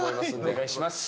お願いします。